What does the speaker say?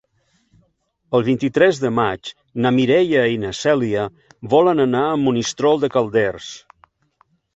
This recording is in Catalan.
El vint-i-tres de maig na Mireia i na Cèlia volen anar a Monistrol de Calders.